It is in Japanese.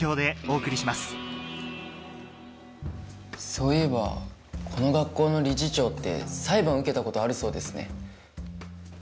そういえばこの学校の理事長って裁判受けたことあるそうですね。